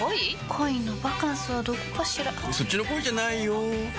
恋のバカンスはどこかしらそっちの恋じゃないよ